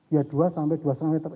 ya dua sampai dua lima meter